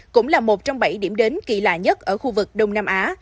cũng là một trong bảy điểm đến kỳ lạ nhất ở khu vực đông nam á